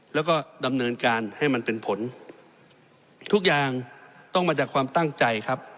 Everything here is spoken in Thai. แล้วก็ดำเนินการให้มันเป็นผลทุกอย่างต้องมาจากความตั้งใจครับ